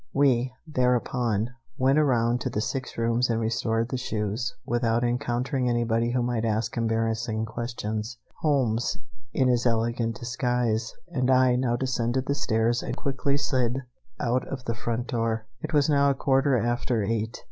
We, thereupon, went around to the six rooms and restored the shoes, without encountering anybody who might ask embarrassing questions. Holmes, in his elegant disguise, and I now descended the stairs and quickly slid out of the front door. It was now a quarter after eight.